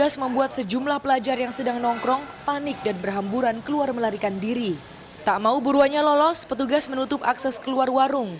setelah lolos petugas menutup akses keluar warung